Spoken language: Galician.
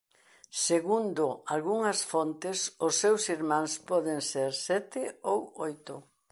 Segundo algunhas fontes os seus irmáns poden ser sete ou oito.